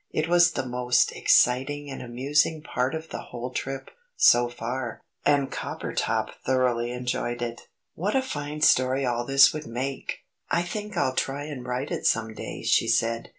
It was the most exciting and amusing part of the whole trip, so far, and Coppertop thoroughly enjoyed it. "What a fine story all this would make! I think I'll try and write it some day," she said.